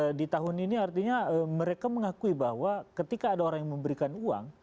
nah di tahun ini artinya mereka mengakui bahwa ketika ada orang yang memberikan uang